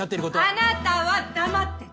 あなたは黙ってて。